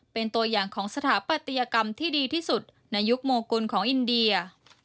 เป็นตัวอย่างของสถาปัตยกรรมที่ดีที่สุดในยุคโมกุลของอินเดีย